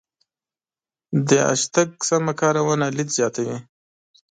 د هشتګ سمه کارونه لید زیاتوي.